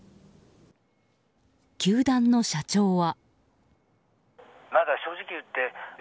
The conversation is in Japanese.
球団の社長は。